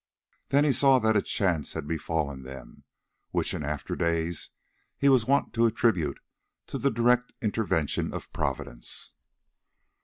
Then he saw that a chance had befallen them, which in after days he was wont to attribute to the direct intervention of Providence.